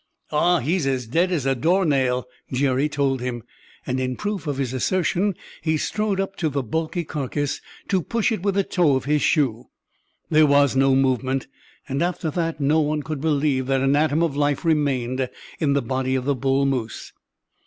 "Aw, he's as dead as a doornail!" Jerry told him; and in proof of his assertion he strode up to the bulky carcass to push it with the toe of his shoe. There was no movement, and after that no one could believe that an atom of life remained in the body of the bull moose.